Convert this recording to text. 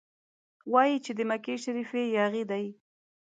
وايي چې د مکې شریف یاغي دی.